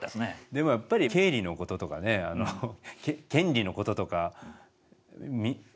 でもやっぱり経理のこととかね権利のこととかいけないっすよね。